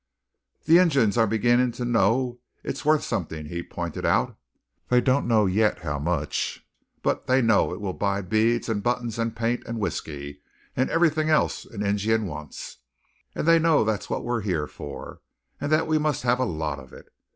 "The Injuns are beginning to know it's wuth something," he pointed out. "They don't know yet how much, but they know it will buy beads and buttons and paint and whiskey and everything else an Injun wants. And they know that's what we're yere for; and that we must have a lot of it.